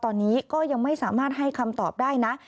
ตอนนี้ก็ยังไม่สามารถให้คำตอบได้นะ